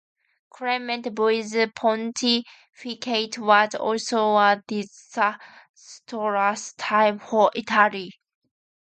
Clement V's pontificate was also a disastrous time for Italy.